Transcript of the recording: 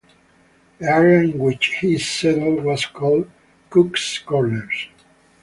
The area in which he settled was called "Cook's Corners".